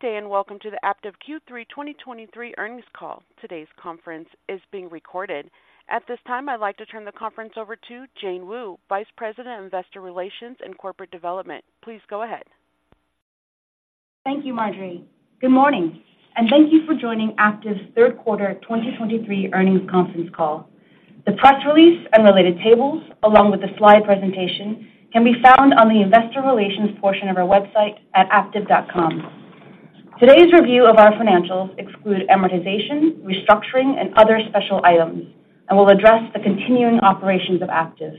Good day, and welcome to the Aptiv Q3 2023 earnings call. Today's conference is being recorded. At this time, I'd like to turn the conference over to Jane Wu, Vice President of Investor Relations and Corporate Development. Please go ahead. Thank you, Marjorie. Good morning and thank you for joining Aptiv's third quarter 2023 earnings conference call. The press release and related tables, along with the slide presentation, can be found on the investor relations portion of our website at aptiv.com. Today's review of our financials exclude amortization, restructuring, and other special items, and will address the continuing operations of Aptiv.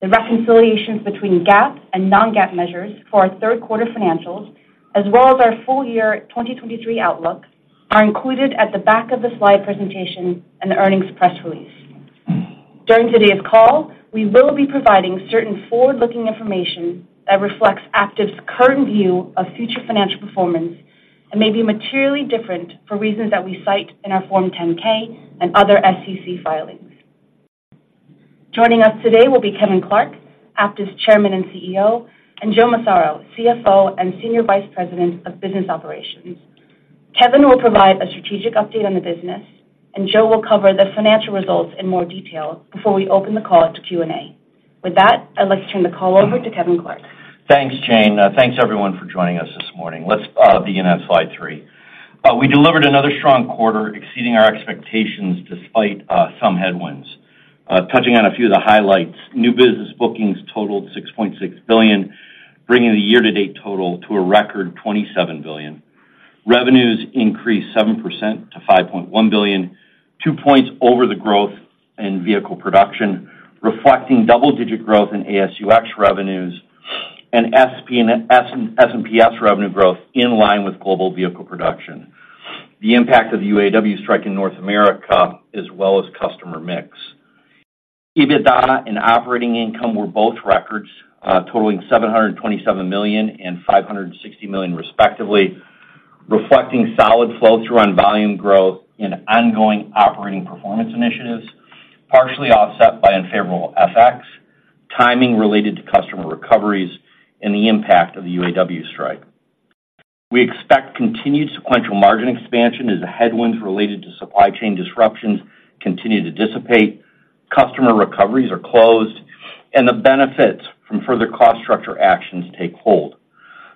The reconciliations between GAAP and non-GAAP measures for our third quarter financials, as well as our full year 2023 outlook, are included at the back of the slide presentation and the earnings press release. During today's call, we will be providing certain forward-looking information that reflects Aptiv's current view of future financial performance and may be materially different for reasons that we cite in our Form 10-K and other SEC filings. Joining us today will be Kevin Clark, Aptiv's Chairman and CEO, and Joe Massaro, CFO and Senior Vice President of Business Operations. Kevin will provide a strategic update on the business, and Joe will cover the financial results in more detail before we open the call up to Q&A. With that, I'd like to turn the call over to Kevin Clark. Thanks, Jane. Thanks, everyone, for joining us this morning. Let's begin on slide three. We delivered another strong quarter, exceeding our expectations despite some headwinds. Touching on a few of the highlights, new business bookings totaled $6.6 billion, bringing the year-to-date total to a record $27 billion. Revenues increased 7% to $5.1 billion, 2 points over the growth in vehicle production, reflecting double-digit growth in AS&UX revenues and SPS revenue growth in line with global vehicle production, the impact of the UAW strike in North America, as well as customer mix. EBITDA and operating income were both records, totaling $727 million and $560 million, respectively, reflecting solid flow-through on volume growth and ongoing operating performance initiatives, partially offset by unfavorable FX, timing related to customer recoveries, and the impact of the UAW strike. We expect continued sequential margin expansion as the headwinds related to supply chain disruptions continue to dissipate, customer recoveries are closed, and the benefits from further cost structure actions take hold.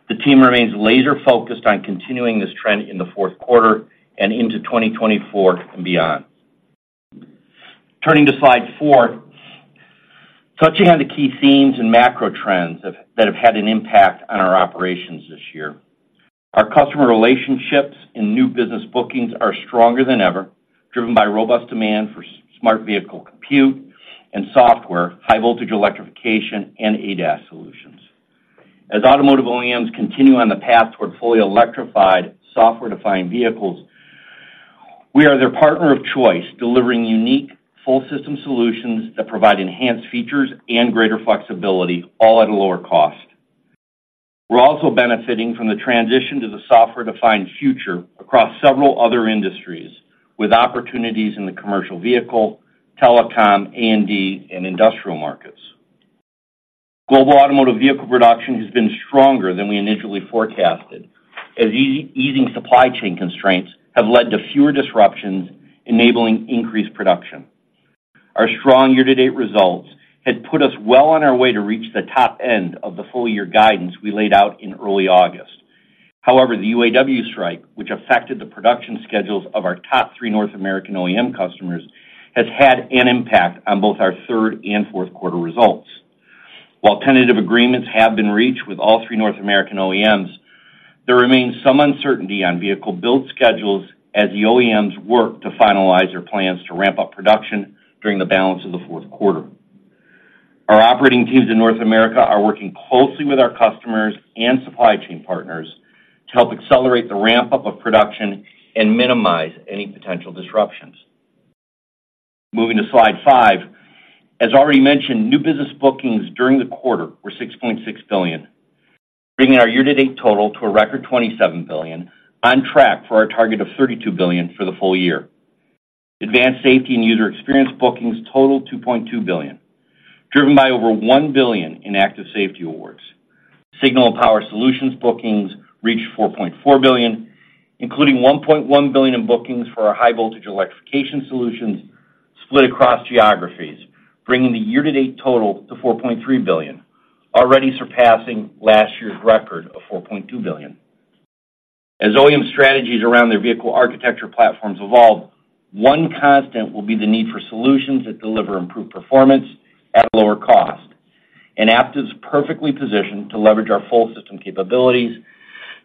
The team remains laser-focused on continuing this trend in the fourth quarter and into 2024 and beyond. Turning to slide four. Touching on the key themes and macro trends that have had an impact on our operations this year. Our customer relationships and new business bookings are stronger than ever, driven by robust demand for smart vehicle compute and software, high voltage electrification, and ADAS solutions. As automotive OEMs continue on the path toward fully electrified, software-defined vehicles, we are their partner of choice, delivering unique, full system solutions that provide enhanced features and greater flexibility, all at a lower cost. We're also benefiting from the transition to the software-defined future across several other industries, with opportunities in the commercial vehicle, telecom, A&D, and industrial markets. Global automotive vehicle production has been stronger than we initially forecasted, as easing supply chain constraints have led to fewer disruptions, enabling increased production. Our strong year-to-date results had put us well on our way to reach the top end of the full year guidance we laid out in early August. However, the UAW strike, which affected the production schedules of our top three North American OEM customers, has had an impact on both our third and fourth quarter results. While tentative agreements have been reached with all three North American OEMs, there remains some uncertainty on vehicle build schedules as the OEMs work to finalize their plans to ramp up production during the balance of the fourth quarter. Our operating teams in North America are working closely with our customers and supply chain partners to help accelerate the ramp-up of production and minimize any potential disruptions. Moving to slide five, as already mentioned, new business bookings during the quarter were $6.6 billion, bringing our year-to-date total to a record $27 billion, on track for our target of $32 billion for the full year. Advanced Safety and User Experience bookings totaled $2.2 billion, driven by over $1 billion in Active Safety awards. Signal and Power Solutions bookings reached $4.4 billion, including $1.1 billion in bookings for our high voltage electrification solutions split across geographies, bringing the year-to-date total to $4.3 billion, already surpassing last year's record of $4.2 billion. As OEM strategies around their vehicle architecture platforms evolve, one constant will be the need for solutions that deliver improved performance at a lower cost, and Aptiv is perfectly positioned to leverage our full system capabilities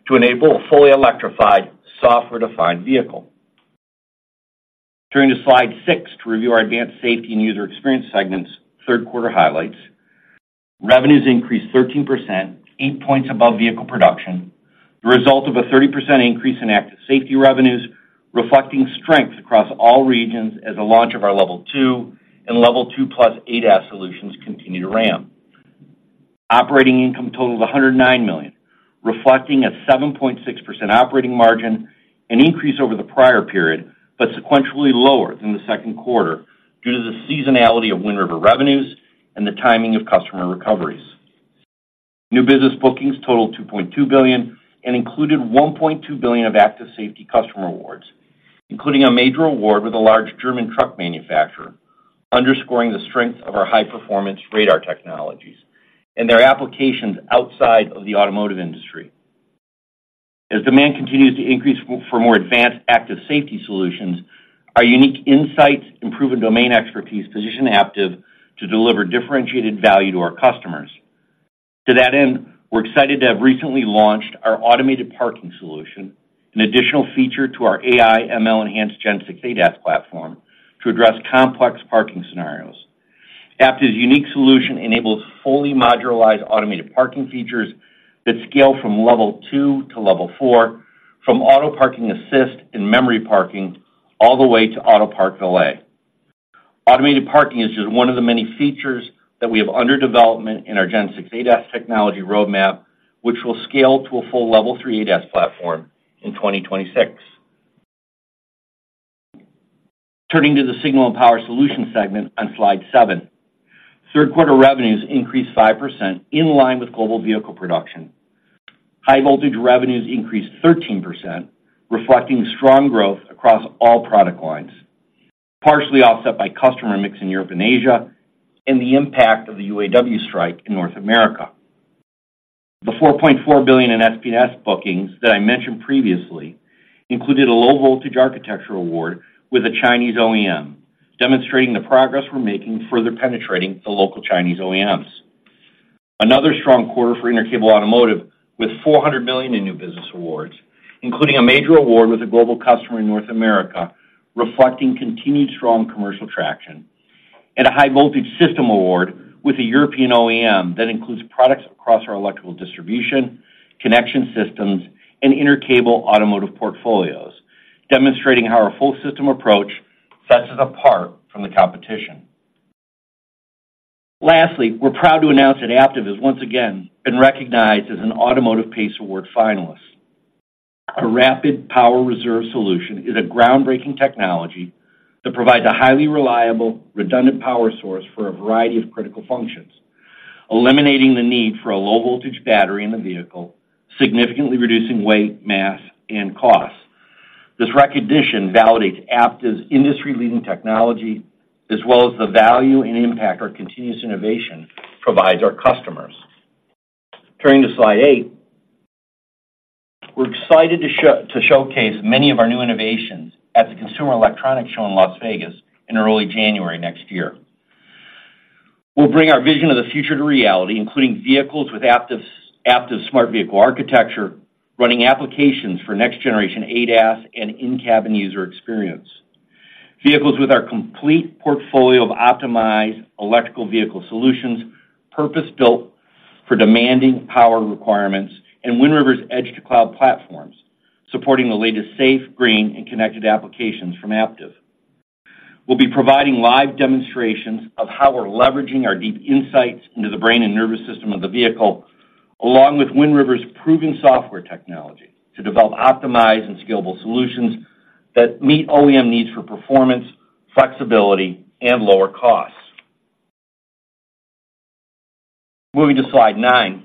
to enable a fully electrified, software-defined vehicle. Turning to slide six to review our Advanced Safety and User Experience segment's third quarter highlights. Revenues increased 13%, 8 points above vehicle production, the result of a 30% increase in Active Safety revenues, reflecting strength across all regions as a launch of our Level 2 and Level 2+ ADAS solutions continue to ramp. Operating income total of $109 million, reflecting a 7.6% operating margin, an increase over the prior period, but sequentially lower than the second quarter due to the seasonality of Wind River revenues and the timing of customer recoveries. New business bookings totaled $2.2 billion and included $1.2 billion of Active Safety customer awards, including a major award with a large German truck manufacturer, underscoring the strength of our high-performance radar technologies and their applications outside of the automotive industry. As demand continues to increase for more advanced Active Safety solutions, our unique insights and proven domain expertise position Aptiv to deliver differentiated value to our customers. To that end, we're excited to have recently launched our automated parking solution, an additional feature to our AI/ML-enhanced Gen 6 ADAS platform, to address complex parking scenarios. Aptiv's unique solution enables fully modularized automated parking features that scale from Level 2 to Level 4, from Auto Parking Assist and Memory Parking, all the way to Auto Park Valet. Automated parking is just one of the many features that we have under development in our Gen 6 ADAS technology roadmap, which will scale to a full Level 3 ADAS platform in 2026. Turning to the Signal and Power Solutions segment on slide seven. Third quarter revenues increased 5% in line with global vehicle production. High voltage revenues increased 13%, reflecting strong growth across all product lines, partially offset by customer mix in Europe and Asia and the impact of the UAW strike in North America. The $4.4 billion in SPS bookings that I mentioned previously included a low-voltage architectural award with a Chinese OEM, demonstrating the progress we're making in further penetrating the local Chinese OEMs. Another strong quarter for Intercable Automotive, with $400 million in new business awards, including a major award with a global customer in North America, reflecting continued strong commercial traction. And a high voltage system award with a European OEM that includes products across our electrical distribution, connection systems, and Intercable Automotive portfolios, demonstrating how our full system approach sets us apart from the competition. Lastly, we're proud to announce that Aptiv has once again been recognized as an Automotive PACE Award finalist. Our Rapid Power Reserve solution is a groundbreaking technology that provides a highly reliable, redundant power source for a variety of critical functions, eliminating the need for a low-voltage battery in the vehicle, significantly reducing weight, mass, and cost. This recognition validates Aptiv's industry-leading technology, as well as the value and impact our continuous innovation provides our customers. Turning to slide eight. We're excited to showcase many of our new innovations at the Consumer Electronics Show in Las Vegas in early January next year. We'll bring our vision of the future to reality, including vehicles with Aptiv's Smart Vehicle Architecture, running applications for next generation ADAS and in-cabin user experience. Vehicles with our complete portfolio of optimized electric vehicle solutions, purpose-built for demanding power requirements, and Wind River's edge-to-cloud platforms, supporting the latest safe, green, and connected applications from Aptiv. We'll be providing live demonstrations of how we're leveraging our deep insights into the brain and nervous system of the vehicle, along with Wind River's proven software technology, to develop optimized and scalable solutions that meet OEM needs for performance, flexibility, and lower costs. Moving to slide nine.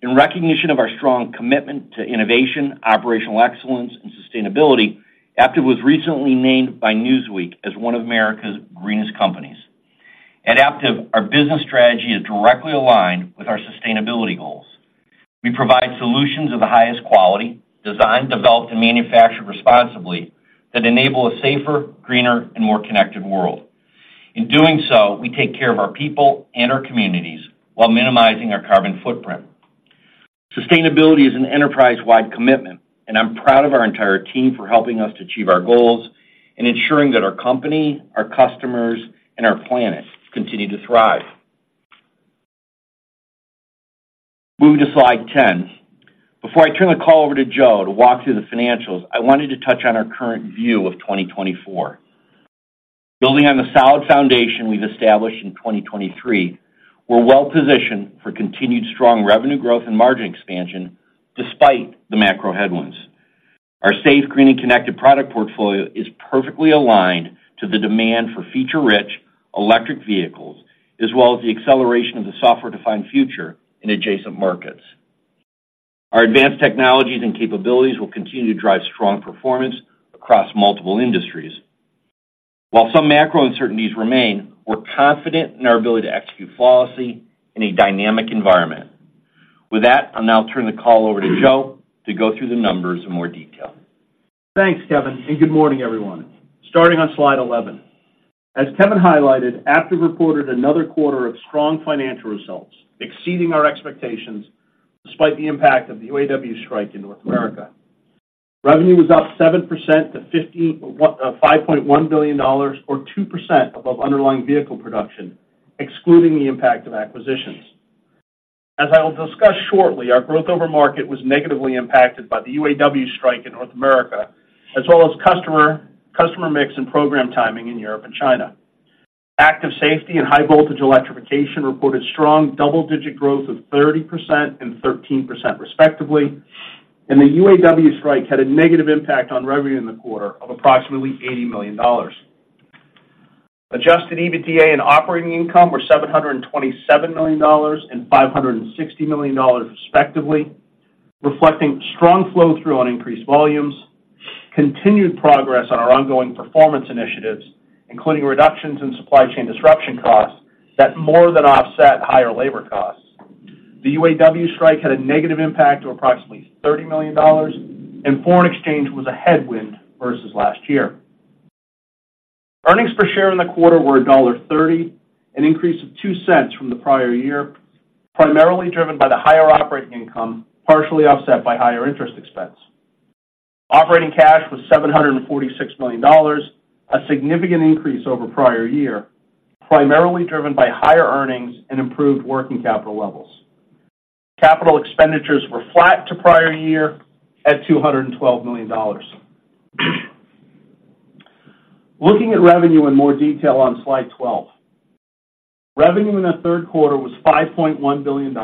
In recognition of our strong commitment to innovation, operational excellence, and sustainability, Aptiv was recently named by Newsweek as one of America's Greenest Companies. At Aptiv, our business strategy is directly aligned with our sustainability goals. We provide solutions of the highest quality, designed, developed, and manufactured responsibly, that enable a safer, greener, and more connected world. In doing so, we take care of our people and our communities while minimizing our carbon footprint. Sustainability is an enterprise-wide commitment, and I'm proud of our entire team for helping us to achieve our goals and ensuring that our company, our customers, and our planet continue to thrive. Moving to slide 10. Before I turn the call over to Joe to walk through the financials, I wanted to touch on our current view of 2024. Building on the solid foundation we've established in 2023, we're well positioned for continued strong revenue growth and margin expansion despite the macro headwinds. Our safe, green, and connected product portfolio is perfectly aligned to the demand for feature-rich electric vehicles, as well as the acceleration of the software-defined future in adjacent markets. Our advanced technologies and capabilities will continue to drive strong performance across multiple industries. While some macro uncertainties remain, we're confident in our ability to execute flawlessly in a dynamic environment. With that, I'll now turn the call over to Joe to go through the numbers in more detail. Thanks, Kevin, and good morning, everyone. Starting on slide 11. As Kevin highlighted, Aptiv reported another quarter of strong financial results, exceeding our expectations despite the impact of the UAW strike in North America. Revenue was up 7% to $5.1 billion or 2% above underlying vehicle production, excluding the impact of acquisitions. As I will discuss shortly, our growth over market was negatively impacted by the UAW strike in North America, as well as customer, customer mix and program timing in Europe and China. Active Safety and high voltage electrification reported strong double-digit growth of 30% and 13%, respectively, and the UAW strike had a negative impact on revenue in the quarter of approximately $80 million. Adjusted EBITDA and operating income were $727 million and $560 million, respectively, reflecting strong flow-through on increased volumes, continued progress on our ongoing performance initiatives, including reductions in supply chain disruption costs that more than offset higher labor costs. The UAW strike had a negative impact of approximately $30 million, and foreign exchange was a headwind versus last year. Earnings per share in the quarter were $1.30, an increase of $0.02 from the prior year, primarily driven by the higher operating income, partially offset by higher interest expense. Operating cash was $746 million, a significant increase over prior year, primarily driven by higher earnings and improved working capital levels. Capital expenditures were flat to prior year at $212 million. Looking at revenue in more detail on slide 12. Revenue in the third quarter was $5.1 billion,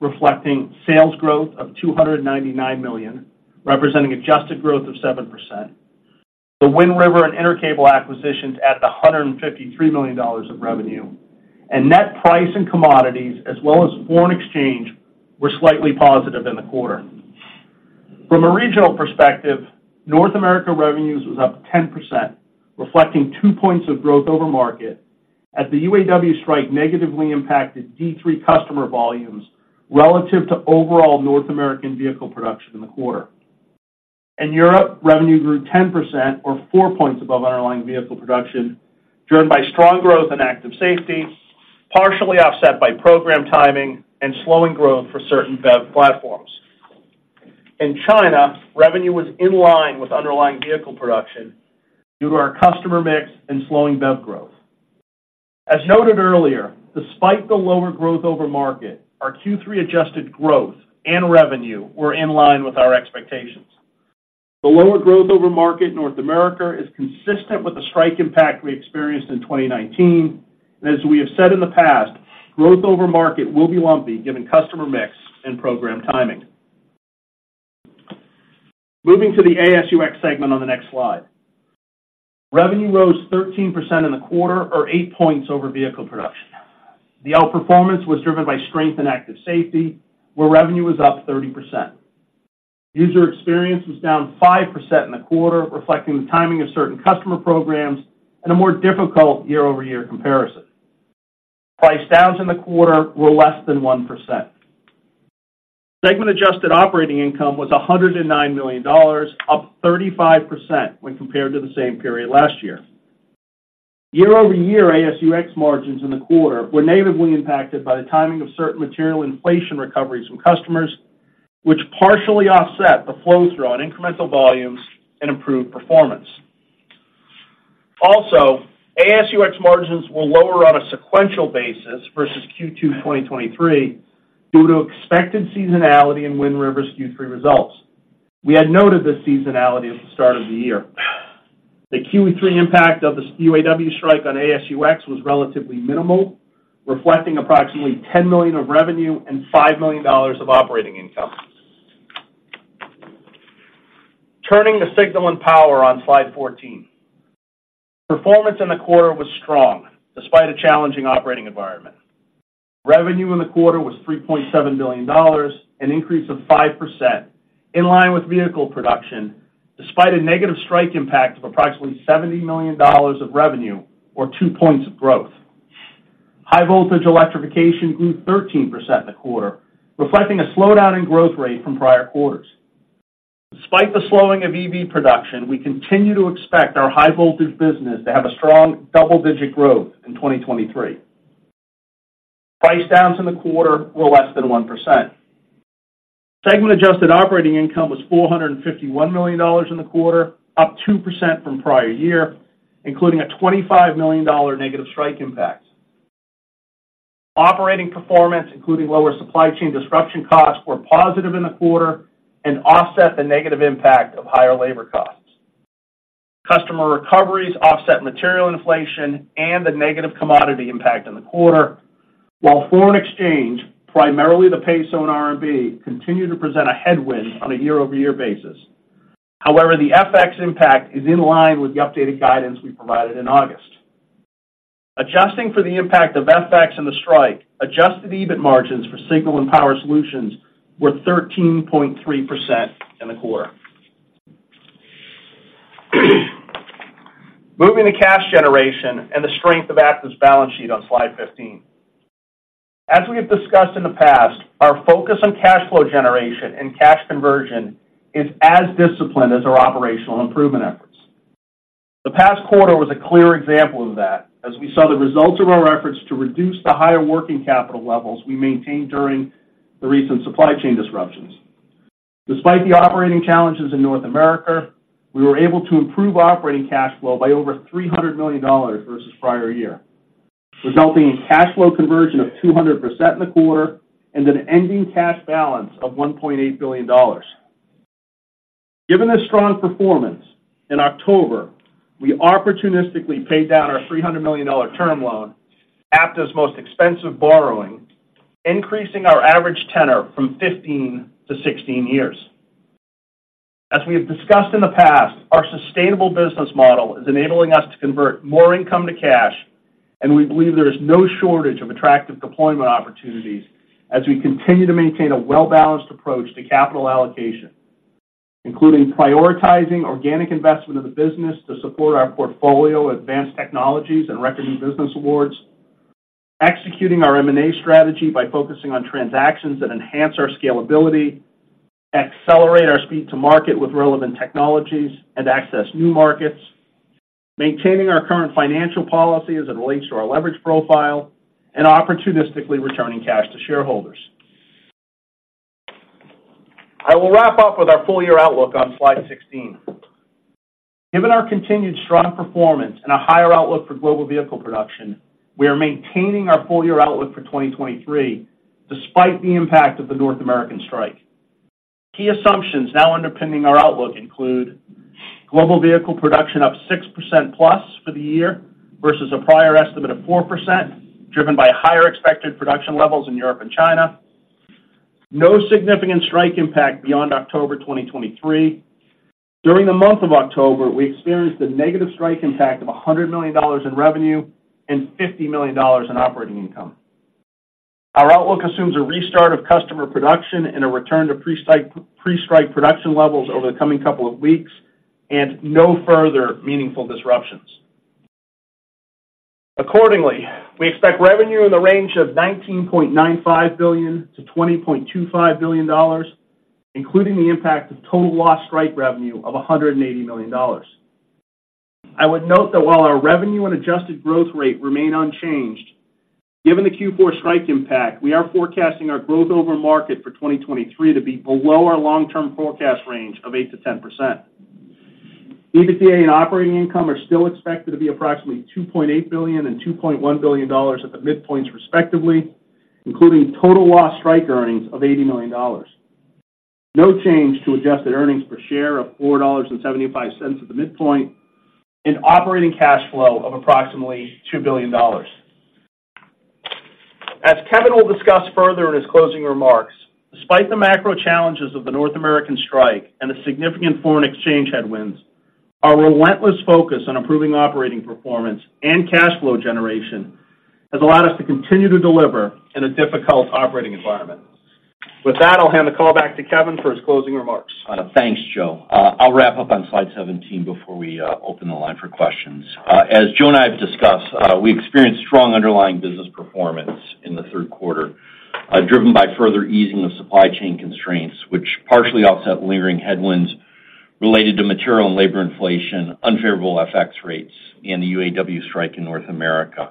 reflecting sales growth of $299 million, representing adjusted growth of 7%. The Wind River and Intercable acquisitions added $153 million of revenue, and net price and commodities, as well as foreign exchange, were slightly positive in the quarter. From a regional perspective, North America revenue was up 10%, reflecting 2 points of growth over market, as the UAW strike negatively impacted D3 customer volumes relative to overall North American vehicle production in the quarter. In Europe, revenue grew 10% or 4 points above underlying vehicle production, driven by strong growth in Active Safety, partially offset by program timing and slowing growth for certain BEV platforms. In China, revenue was in line with underlying vehicle production due to our customer mix and slowing BEV growth. As noted earlier, despite the lower Growth Over Market, our Q3 adjusted growth and revenue were in line with our expectations. The lower Growth Over Market in North America is consistent with the strike impact we experienced in 2019, and as we have said in the past, Growth Over Market will be lumpy, given customer mix and program timing. Moving to the AS&UX segment on the next slide. Revenue rose 13% in the quarter, or 8 points over vehicle production. The outperformance was driven by strength and Active Safety, where revenue was up 30%. User Experience was down 5% in the quarter, reflecting the timing of certain customer programs and a more difficult year-over-year comparison. Price downs in the quarter were less than 1%. Segment adjusted operating income was $109 million, up 35% when compared to the same period last year. Year-over-year AS&UX margins in the quarter were negatively impacted by the timing of certain material inflation recoveries from customers, which partially offset the flow-through on incremental volumes and improved performance. Also, AS&UX margins were lower on a sequential basis versus Q2 2023 due to expected seasonality in Wind River's Q3 results. We had noted this seasonality at the start of the year. The Q3 impact of the UAW strike on AS&UX was relatively minimal, reflecting approximately $10 million of revenue and $5 million of operating income. Turning to Signal and Power on slide 14. Performance in the quarter was strong, despite a challenging operating environment. Revenue in the quarter was $3.7 billion, an increase of 5%, in line with vehicle production, despite a negative strike impact of approximately $70 million of revenue or 2 points of growth. High voltage electrification grew 13% in the quarter, reflecting a slowdown in growth rate from prior quarters. Despite the slowing of EV production, we continue to expect our high voltage business to have a strong double-digit growth in 2023. Price downs in the quarter were less than 1%. Segment adjusted operating income was $451 million in the quarter, up 2% from prior year, including a $25 million negative strike impact. Operating performance, including lower supply chain disruption costs, were positive in the quarter and offset the negative impact of higher labor costs. Customer recoveries offset material inflation and the negative commodity impact in the quarter, while foreign exchange, primarily the peso and RMB, continued to present a headwind on a year-over-year basis. However, the FX impact is in line with the updated guidance we provided in August. Adjusting for the impact of FX and the strike, adjusted EBIT margins for Signal and Power Solutions were 13.3% in the quarter. Moving to cash generation and the strength of Aptiv's balance sheet on slide 15. As we have discussed in the past, our focus on cash flow generation and cash conversion is as disciplined as our operational improvement efforts. The past quarter was a clear example of that, as we saw the results of our efforts to reduce the higher working capital levels we maintained during the recent supply chain disruptions. Despite the operating challenges in North America, we were able to improve operating cash flow by over $300 million versus prior year, resulting in cash flow conversion of 200% in the quarter and an ending cash balance of $1.8 billion. Given this strong performance, in October, we opportunistically paid down our $300 million term loan, Aptiv's most expensive borrowing, increasing our average tenor from 15 to 16 years. As we have discussed in the past, our sustainable business model is enabling us to convert more income to cash, and we believe there is no shortage of attractive deployment opportunities as we continue to maintain a well-balanced approach to capital allocation, including prioritizing organic investment of the business to support our portfolio, advanced technologies and record new business awards. Executing our M&A strategy by focusing on transactions that enhance our scalability, accelerate our speed to market with relevant technologies and access new markets, maintaining our current financial policy as it relates to our leverage profile and opportunistically returning cash to shareholders. I will wrap up with our full year outlook on slide 16. Given our continued strong performance and a higher outlook for global vehicle production, we are maintaining our full year outlook for 2023, despite the impact of the North American strike. Key assumptions now underpinning our outlook include global vehicle production up 6%+ for the year, versus a prior estimate of 4%, driven by higher expected production levels in Europe and China. No significant strike impact beyond October 2023. During the month of October, we experienced a negative strike impact of $100 million in revenue and $50 million in operating income. Our outlook assumes a restart of customer production and a return to pre-strike production levels over the coming couple of weeks and no further meaningful disruptions. Accordingly, we expect revenue in the range of $19.95 billion-$20.25 billion, including the impact of total lost strike revenue of $180 million. I would note that while our revenue and adjusted growth rate remain unchanged, given the Q4 strike impact, we are forecasting our growth over market for 2023 to be below our long-term forecast range of 8%-10%. EBITDA and operating income are still expected to be approximately $2.8 billion and $2.1 billion at the midpoints, respectively, including total lost strike earnings of $80 million. No change to adjusted earnings per share of $4.75 at the midpoint, and operating cash flow of approximately $2 billion. As Kevin will discuss further in his closing remarks, despite the macro challenges of the North American strike and the significant foreign exchange headwinds, our relentless focus on improving operating performance and cash flow generation has allowed us to continue to deliver in a difficult operating environment. With that, I'll hand the call back to Kevin for his closing remarks. Thanks, Joe. I'll wrap up on slide 17 before we open the line for questions. As Joe and I have discussed, we experienced strong underlying business performance in the third quarter, driven by further easing of supply chain constraints, which partially offset lingering headwinds related to material and labor inflation, unfavorable FX rates, and the UAW strike in North America.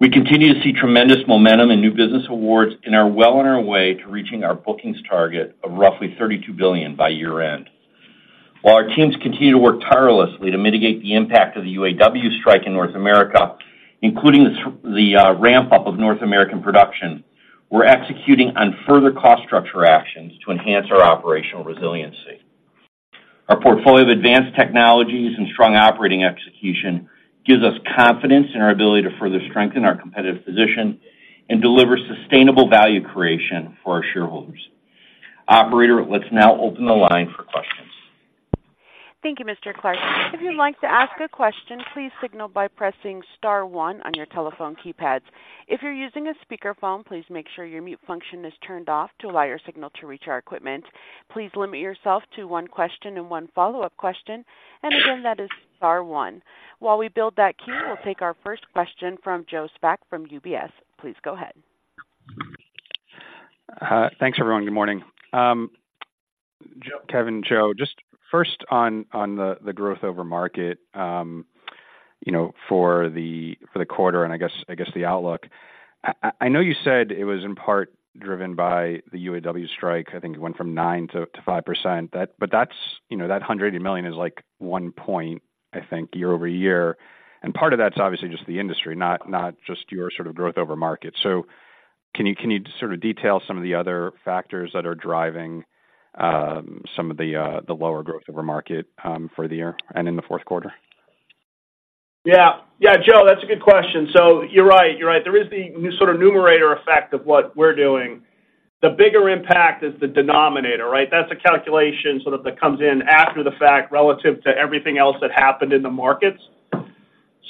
We continue to see tremendous momentum in new business awards and are well on our way to reaching our bookings target of roughly $32 billion by year-end. While our teams continue to work tirelessly to mitigate the impact of the UAW strike in North America, including the ramp-up of North American production, we're executing on further cost structure actions to enhance our operational resiliency. Our portfolio of advanced technologies and strong operating execution gives us confidence in our ability to further strengthen our competitive position and deliver sustainable value creation for our shareholders. Operator, let's now open the line for questions. Thank you, Mr. Clark. If you'd like to ask a question, please signal by pressing star one on your telephone keypads. If you're using a speakerphone, please make sure your mute function is turned off to allow your signal to reach our equipment. Please limit yourself to one question and one follow-up question, and again, that is star one. While we build that queue, we'll take our first question from Joe Spak from UBS. Please go ahead. Thanks, everyone. Good morning. Joe—Kevin, Joe, just first on the growth over market, you know, for the quarter, and I guess the outlook. I know you said it was in part driven by the UAW strike. I think it went from 9% to 5%. But that's, you know, that $180 million is like 1 point, I think, year-over-year. And part of that's obviously just the industry, not just your sort of growth over market. So can you sort of detail some of the other factors that are driving some of the lower growth over market for the year and in the fourth quarter? Yeah. Yeah, Joe, that's a good question. So you're right, you're right. There is the sort of numerator effect of what we're doing. The bigger impact is the denominator, right? That's a calculation sort of that comes in after the fact, relative to everything else that happened in the markets.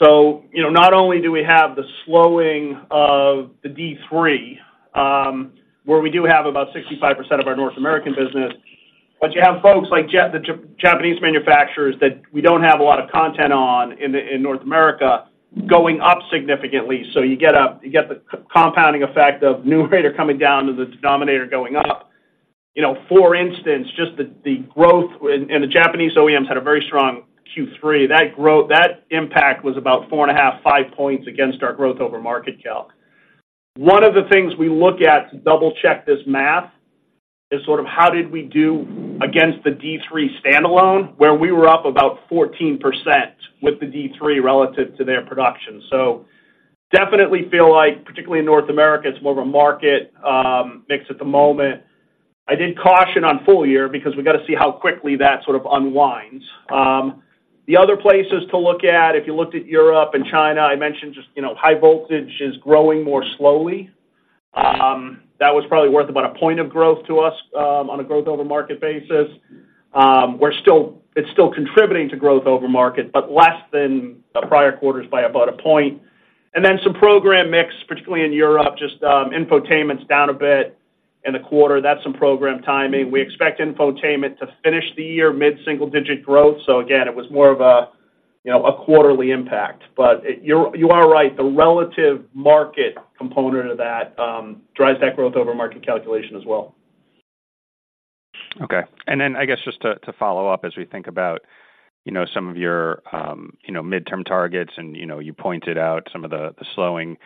So, you know, not only do we have the slowing of the D3, where we do have about 65% of our North American business, but you have folks like the Japanese manufacturers that we don't have a lot of content on in North America, going up significantly. So you get a, you get the compounding effect of numerator coming down to the denominator going up. You know, for instance, just the growth and the Japanese OEMs had a very strong Q3. That growth. That impact was about 4.5, 5 points against our Growth Over Market calc. One of the things we look at to double-check this math is sort of how did we do against the D3 standalone, where we were up about 14% with the D3 relative to their production. Definitely feel like, particularly in North America, it's more of a market mix at the moment. I did caution on full year because we got to see how quickly that sort of unwinds. The other places to look at, if you looked at Europe and China, I mentioned just, you know, high voltage is growing more slowly. That was probably worth about a point of growth to us, on a Growth Over Market basis. We're still. It's still contributing to Growth Over Market, but less than the prior quarters by about a point. And then some program mix, particularly in Europe, just infotainment's down a bit in the quarter. That's some program timing. We expect infotainment to finish the year mid-single-digit growth. So again, it was more of a, you know, a quarterly impact. But it. You're, you are right. The relative market component of that drives that Growth Over Market calculation as well. Okay. And then, I guess, just to follow up as we think about, you know, some of your, you know, midterm targets, and, you know, you pointed out some of the, the slowing,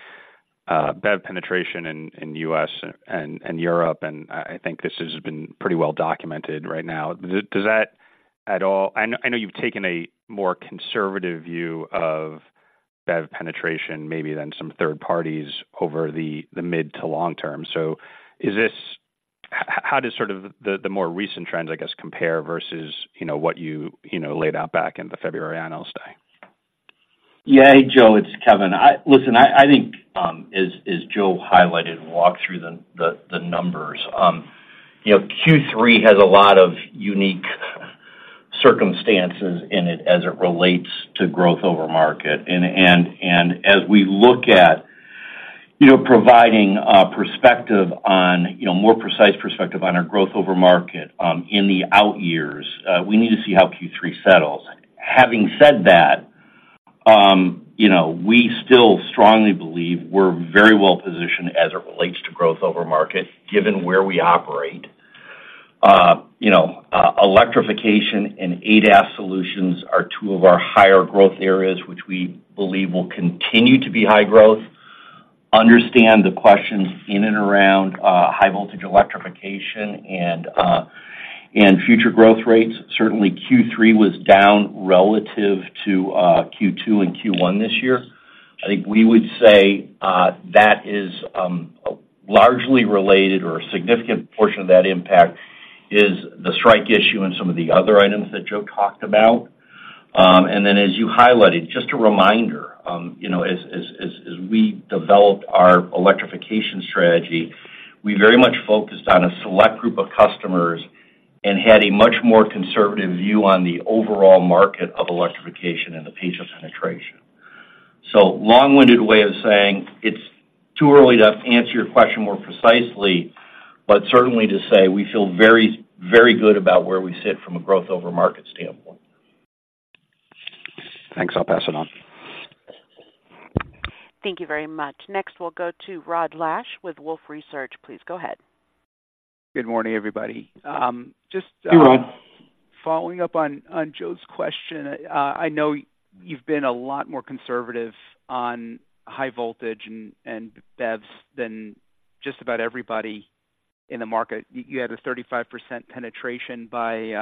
BEV penetration in, in U.S. and, and Europe, and I, I think this has been pretty well documented right now. Does that at all. I know, I know you've taken a more conservative view of BEV penetration, maybe than some third parties over the, the mid to long term. So is this—How does sort of the, the more recent trends, I guess, compare versus, you know, what you, you know, laid out back in the February analyst day? Yeah, Joe, it's Kevin. Listen, I think, as Joe highlighted and walked through the numbers, you know, Q3 has a lot of unique circumstances in it as it relates to growth over market. And as we look at, you know, providing a perspective on, you know, more precise perspective on our growth over market, in the out years, we need to see how Q3 settles. Having said that, you know, we still strongly believe we're very well positioned as it relates to growth over market, given where we operate. You know, electrification and ADAS solutions are two of our higher growth areas, which we believe will continue to be high growth. Understand the questions in and around, high voltage electrification and future growth rates. Certainly, Q3 was down relative to Q2 and Q1 this year. I think we would say that is largely related or a significant portion of that impact is the strike issue and some of the other items that Joe talked about. And then, as you highlighted, just a reminder, you know, as we developed our electrification strategy, we very much focused on a select group of customers and had a much more conservative view on the overall market of electrification and the pace of penetration. So long-winded way of saying, it's too early to answer your question more precisely, but certainly to say we feel very, very good about where we sit from a Growth Over Market standpoint. Thanks. I'll pass it on. Thank you very much. Next, we'll go to Rod Lache with Wolfe Research. Please go ahead. Good morning, everybody. Hey, Rod. Following up on Joe's question, I know you've been a lot more conservative on high voltage and BEVs than just about everybody in the market. You had a 35% penetration by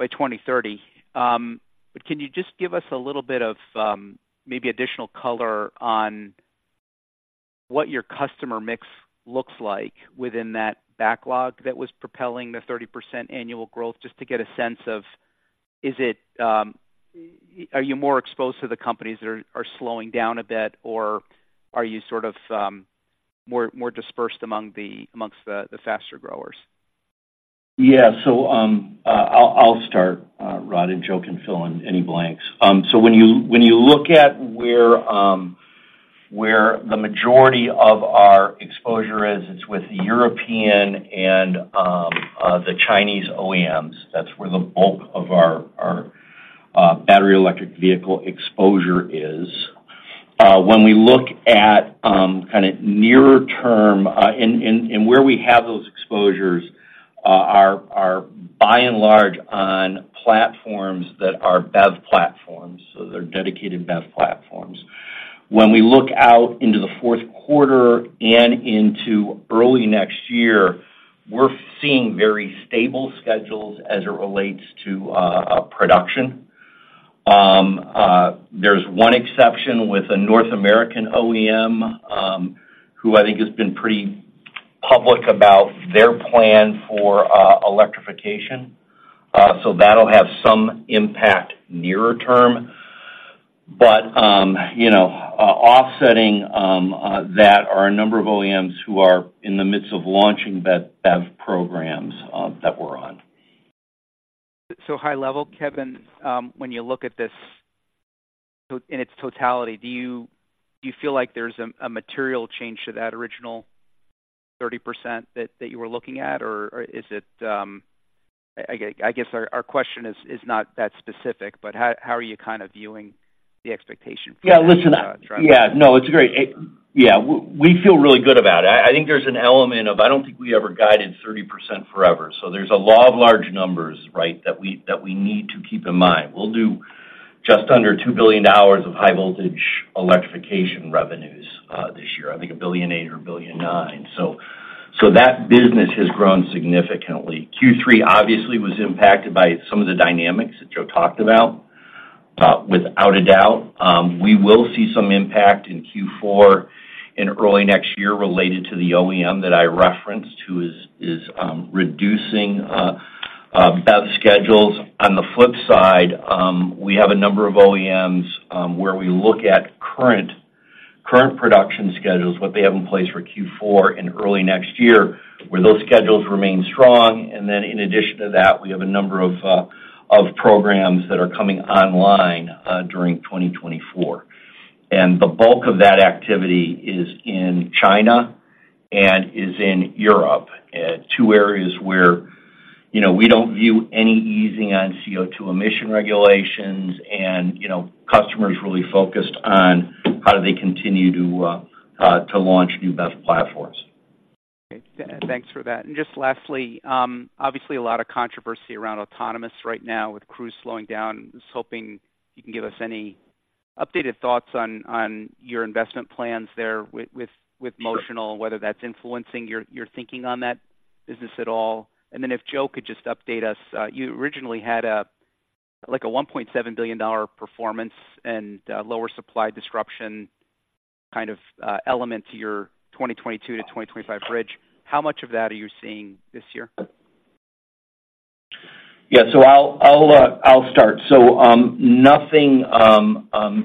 2030. But can you just give us a little bit of maybe additional color on what your customer mix looks like within that backlog that was propelling the 30% annual growth, just to get a sense of, is it, are you more exposed to the companies that are slowing down a bit, or are you sort of more dispersed among the faster growers? Yeah. So, I'll start, Rod, and Joe can fill in any blanks. So when you look at where the majority of our exposure is, it's with the European and the Chinese OEMs. That's where the bulk of our battery electric vehicle exposure is. When we look at kind of nearer term, and where we have those exposures, are by and large on platforms that are BEV platforms, so they're dedicated BEV platforms. When we look out into the fourth quarter and into early next year, we're seeing very stable schedules as it relates to production. There's one exception with a North American OEM, who I think has been pretty public about their plan for electrification. So that'll have some impact nearer term. But, you know, offsetting that there are a number of OEMs who are in the midst of launching BEV, BEV programs that we're on. So high level, Kevin, when you look at this in its totality, do you feel like there's a material change to that original 30% that you were looking at, or is it... I guess our question is not that specific, but how are you kind of viewing the expectation for that- Yeah. Listen, -uh, trend? Yeah. No, it's great. Yeah, we feel really good about it. I think there's an element of, I don't think we ever guided 30% forever. So there's a law of large numbers, right, that we need to keep in mind. We'll do just under $2 billion of high voltage electrification revenues this year, I think $1.8 billion or $1.9 billion. So that business has grown significantly. Q3 obviously was impacted by some of the dynamics that Joe talked about. Without a doubt, we will see some impact in Q4 and early next year related to the OEM that I referenced, who is reducing BEV schedules. On the flip side, we have a number of OEMs where we look at current production schedules, what they have in place for Q4 and early next year, where those schedules remain strong. And then in addition to that, we have a number of programs that are coming online during 2024. And the bulk of that activity is in China and is in Europe, two areas where, you know, we don't view any easing on CO2 emission regulations and, you know, customers really focused on how do they continue to launch new BEV platforms. Okay, thanks for that. And just lastly, obviously, a lot of controversy around autonomous right now with Cruise slowing down. Just hoping you can give us any updated thoughts on your investment plans there with Motional whether that's influencing your thinking on that business at all. And then if Joe could just update us, you originally had a, like, a $1.7 billion performance and lower supply disruption kind of element to your 2022 to 2025 bridge. How much of that are you seeing this year? Yeah, so I'll start. So, nothing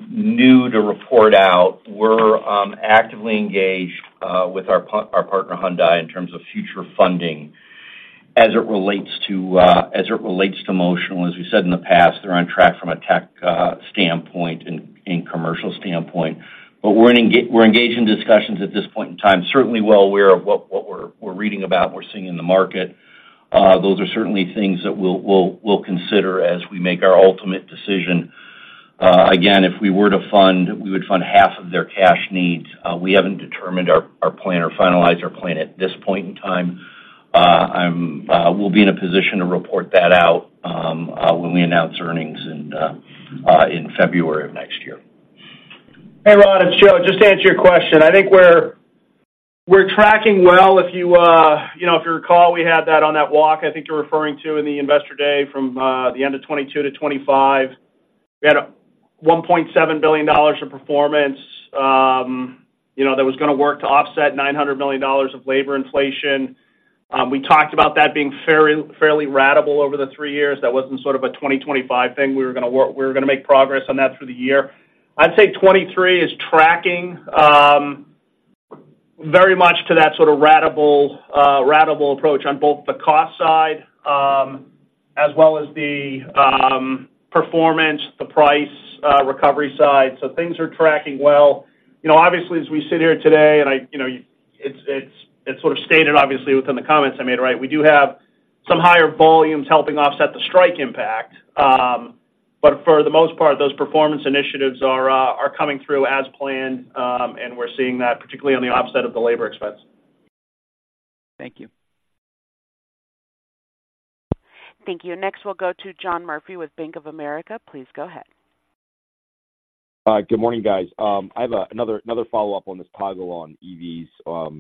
new to report out. We're actively engaged with our partner, Hyundai, in terms of future funding as it relates to Motional. As we said in the past, they're on track from a tech standpoint and commercial standpoint. But we're engaged in discussions at this point in time, certainly well aware of what we're reading about and we're seeing in the market. Those are certainly things that we'll consider as we make our ultimate decision. Again, if we were to fund, we would fund half of their cash needs. We haven't determined our plan or finalized our plan at this point in time. We'll be in a position to report that out when we announce earnings in February of next year. Hey, Rod, it's Joe. Just to answer your question, I think we're tracking well. If you, you know, if you recall, we had that on that walk I think you're referring to in the Investor Day from the end of 2022 to 2025. We had a $1.7 billion of performance, you know, that was gonna work to offset $900 million of labor inflation. We talked about that being fairly, fairly ratable over the three years. That wasn't sort of a 2025 thing. We were gonna make progress on that through the year. I'd say 2023 is tracking very much to that sort of ratable, ratable approach on both the cost side, as well as the, performance, the price, recovery side. So things are tracking well. You know, obviously, as we sit here today, you know, it's sort of stated, obviously, within the comments I made, right? We do have some higher volumes helping offset the strike impact. But for the most part, those performance initiatives are coming through as planned, and we're seeing that, particularly on the offset of the labor expense. Thank you. Thank you. Next, we'll go to John Murphy with Bank of America. Please go ahead. Good morning, guys. I have another follow-up on this toggle on EVs,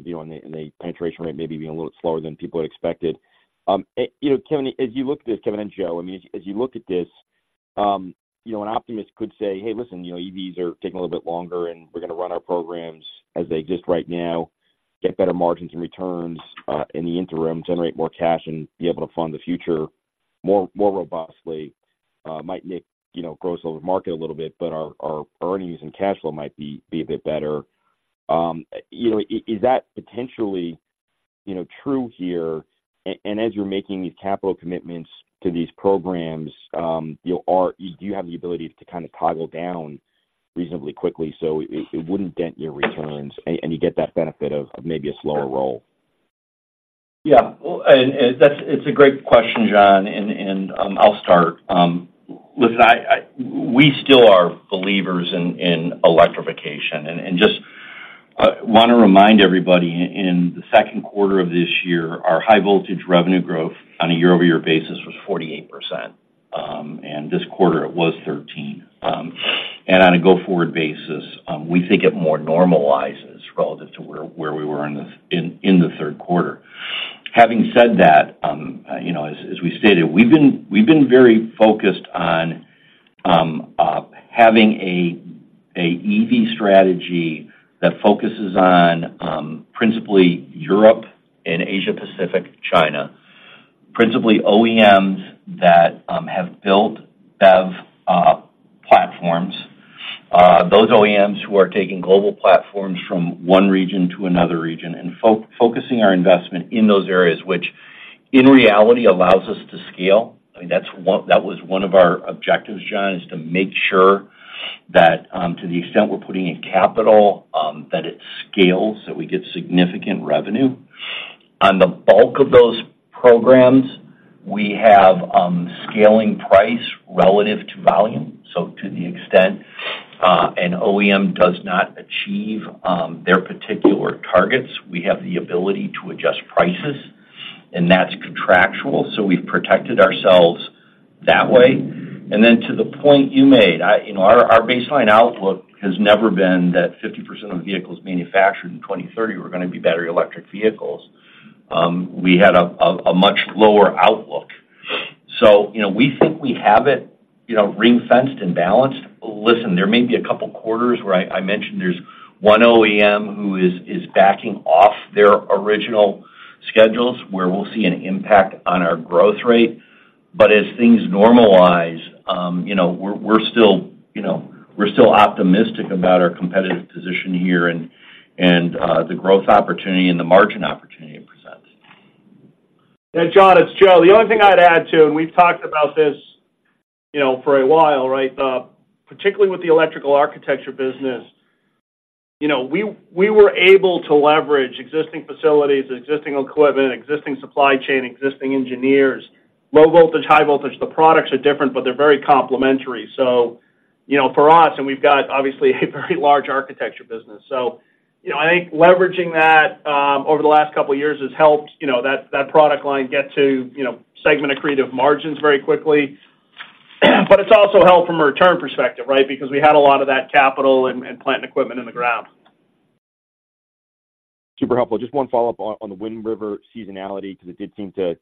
you know, and the penetration rate maybe being a little slower than people had expected. You know, Kevin, as you look at this, Kevin and Joe, I mean, as you look at this, you know, an optimist could say: "Hey, listen, you know, EVs are taking a little bit longer, and we're gonna run our programs as they exist right now, get better margins and returns in the interim, generate more cash and be able to fund the future more robustly. Might make, you know, growth over market a little bit, but our earnings and cash flow might be a bit better." You know, is that potentially true here? And as you're making these capital commitments to these programs, you know, do you have the ability to kind of toggle down reasonably quickly so it wouldn't dent your returns and you get that benefit of maybe a slower roll? Yeah. Well, and, and that's—it's a great question, John, and, and, I'll start. Listen, we still are believers in electrification. And just wanna remind everybody, in the second quarter of this year, our high-voltage revenue growth on a year-over-year basis was 48%. And this quarter it was 13%. And on a go-forward basis, we think it more normalizes relative to where we were in the third quarter. Having said that, you know, as we stated, we've been very focused on having a EV strategy that focuses on principally Europe and Asia Pacific, China. Principally OEMs that have built BEV platforms. Those OEMs who are taking global platforms from one region to another region and focusing our investment in those areas, which in reality allows us to scale. I mean, that was one of our objectives, John, is to make sure that, to the extent we're putting in capital, that it scales, so we get significant revenue. On the bulk of those programs, we have scaling price relative to volume. So to the extent an OEM does not achieve their particular targets, we have the ability to adjust prices, and that's contractual. So we've protected ourselves that way. And then to the point you made, I, you know, our baseline outlook has never been that 50% of the vehicles manufactured in 2030 were gonna be battery electric vehicles. We had a much lower outlook. So, you know, we think we have it, you know, ring-fenced and balanced. Listen, there may be a couple quarters where I mentioned there's one OEM who is backing off their original schedules, where we'll see an impact on our growth rate. But as things normalize, you know, we're still optimistic about our competitive position here and the growth opportunity and the margin opportunity it presents. John, it's Joe. The only thing I'd add, too, and we've talked about this, you know, for a while, right? Particularly with the electrical architecture business, you know, we were able to leverage existing facilities, existing equipment, existing supply chain, existing engineers. Low voltage, high voltage, the products are different, but they're very complementary. You know, for us, and we've got, obviously, a very large architecture business. You know, I think leveraging that over the last couple of years has helped, you know, that product line get to, you know, segment accretive margins very quickly. But it's also helped from a return perspective, right? Because we had a lot of that capital and plant and equipment in the ground. Super helpful. Just one follow-up on the Wind River seasonality, because it did seem to...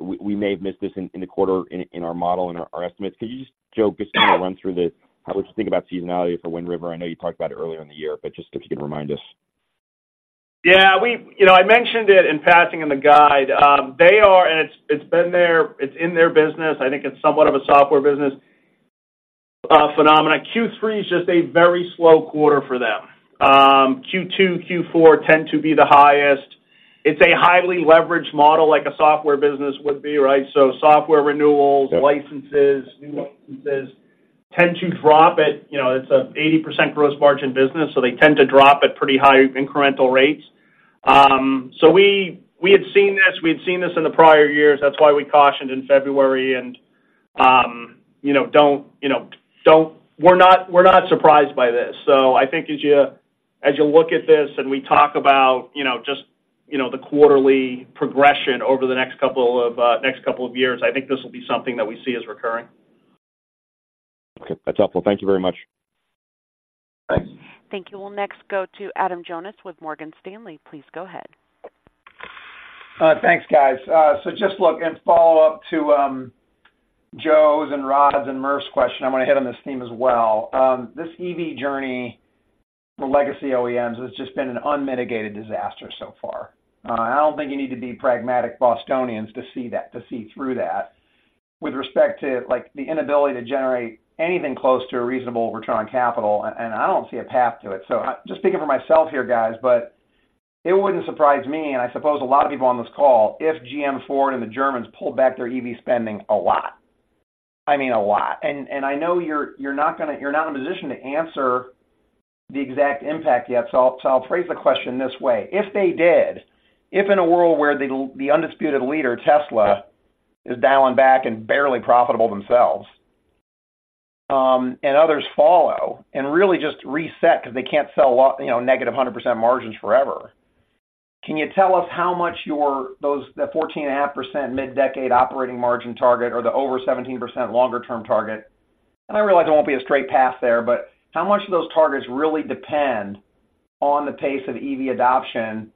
We may have missed this in the quarter, in our model and our estimates. Could you just, Joe, just kind of run through how you would think about seasonality for Wind River? I know you talked about it earlier in the year, but just if you could remind us. Yeah, we—you know, I mentioned it in passing in the guide. They are, and it's, it's been there, it's in their business. I think it's somewhat of a software business phenomenon. Q3 is just a very slow quarter for them. Q2, Q4 tend to be the highest. It's a highly leveraged model, like a software business would be, right? So software renewals, licenses, new licenses, tend to drop at, you know, it's a 80% gross margin business, so they tend to drop at pretty high incremental rates. So we, we had seen this, we had seen this in the prior years. That's why we cautioned in February and, you know, don't, you know, don't—we're not, we're not surprised by this. So I think as you, as you look at this and we talk about, you know, just, you know, the quarterly progression over the next couple of years, I think this will be something that we see as recurring. Okay. That's helpful. Thank you very much. Thanks. Thank you. We'll next go to Adam Jonas with Morgan Stanley. Please go ahead. Thanks, guys. So just look, and follow up to Joe's and Rod's and Murphy's question, I'm gonna hit on this theme as well. This EV journey, the legacy OEMs, has just been an unmitigated disaster so far. I don't think you need to be pragmatic Bostonians to see that, to see through that. With respect to, like, the inability to generate anything close to a reasonable return on capital, and, and I don't see a path to it. So, just speaking for myself here, guys, but it wouldn't surprise me, and I suppose a lot of people on this call, if GM, Ford, and the Germans pulled back their EV spending a lot. I mean, a lot. I know you're not gonna—you're not in a position to answer the exact impact yet, so I'll phrase the question this way: If they did, if in a world where the undisputed leader, Tesla, is dialing back and barely profitable themselves, and others follow and really just reset because they can't sell a lot, you know, negative 100% margins forever, can you tell us how much your, those, the 14.5% mid-decade operating margin target, or the over 17% longer term target? And I realize it won't be a straight path there, but how much of those targets really depend on the pace of EV adoption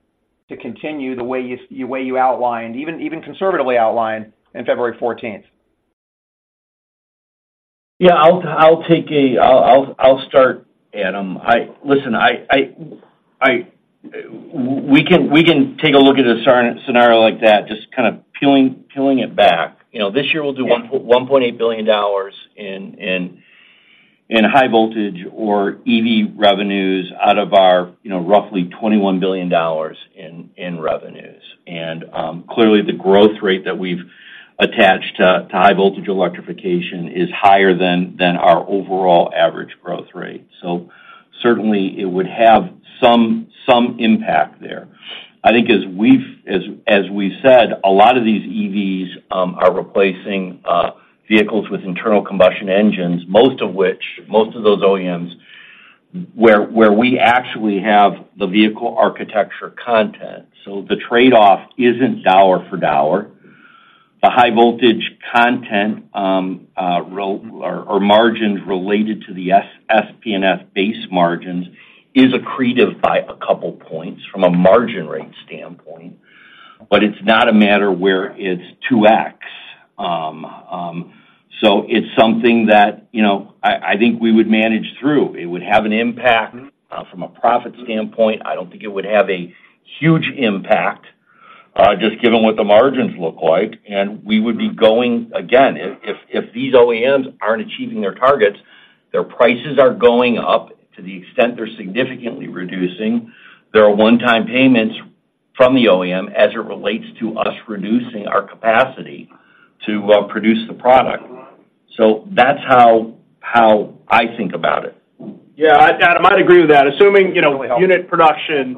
to continue the way you way you outlined, even conservatively outlined in February 14th? Yeah, I'll take a-- I'll start, Adam. Listen, I... We can take a look at a scenario like that, just kind of peeling it back. You know, this year we'll do $1.8 billion in high voltage or EV revenues out of our, you know, roughly $21 billion in revenues. And clearly, the growth rate that we've attached to high voltage electrification is higher than our overall average growth rate. So certainly, it would have some impact there. I think as we've, as we said, a lot of these EVs are replacing vehicles with internal combustion engines, most of which, most of those OEMs, where we actually have the vehicle architecture content. So the trade-off isn't dollar for dollar. The high voltage content or margins related to the SPS base margins is accretive by a couple points from a margin rate standpoint, but it's not a matter where it's 2x. So it's something that, you know, I think we would manage through. It would have an impact from a profit standpoint. I don't think it would have a huge impact just given what the margins look like, and we would be going. Again, if these OEMs aren't achieving their targets, their prices are going up to the extent they're significantly reducing. There are one-time payments from the OEM as it relates to us reducing our capacity to produce the product. So that's how I think about it. Yeah, I, Adam, I'd agree with that. Assuming, you know, unit production,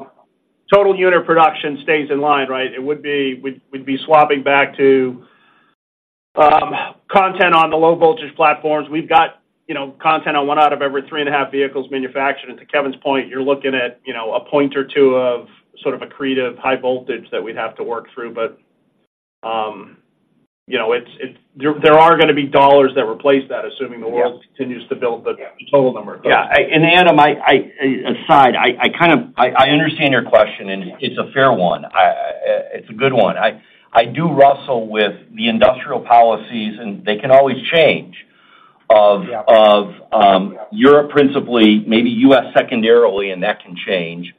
total unit production stays in line, right? It would be we'd be swapping back to content on the low voltage platforms. We've got, you know, content on one out of every three and a half vehicles manufactured. And to Kevin's point, you're looking at, you know, a point or two of sort of accretive high voltage that we'd have to work through, but, you know, it's, it - there are gonna be dollars that replace that, assuming the world continues to build the total number of dollars. Yeah, and Adam, aside, I kind of—I understand your question, and it's a fair one. It's a good one. I do wrestle with the industrial policies, and they can always change, of Europe, principally, maybe U.S. secondarily, and that can change.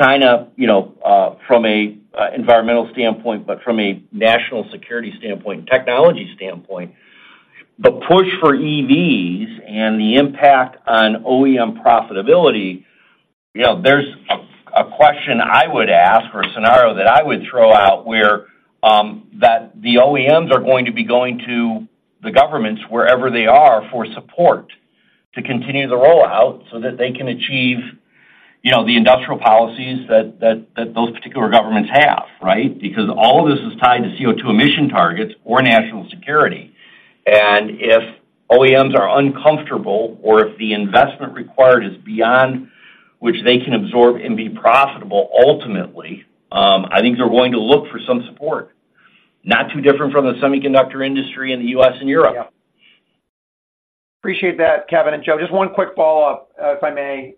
China, you know, from a environmental standpoint, but from a national security standpoint and technology standpoint, the push for EVs and the impact on OEM profitability, you know, there's a question I would ask or a scenario that I would throw out where that the OEMs are going to be going to the governments wherever they are, for support to continue the rollout so that they can achieve, you know, the industrial policies that those particular governments have, right? Because all of this is tied to CO2 emission targets or national security. And if OEMs are uncomfortable or if the investment required is beyond which they can absorb and be profitable ultimately, I think they're going to look for some support. Not too different from the semiconductor industry in the U.S. and Europe. Yeah. Appreciate that, Kevin and Joe. Just one quick follow-up, if I may.